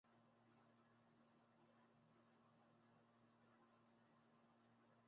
Ssa kungulu kwa buli nnyaanya akatundu k'omuzigo obikkeko.